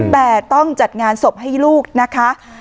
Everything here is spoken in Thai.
แต่ต้องจัดงานศพให้ลูกนะคะ